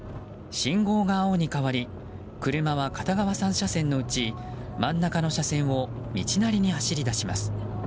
信号が青に変わり車は片側３車線のうち真ん中の車線を道なりに走り出します。